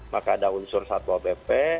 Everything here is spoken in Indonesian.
maka ada unsur satwa bp